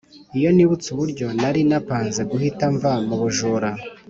iyo nibutse uburyo nari napanze guhita mva mubujura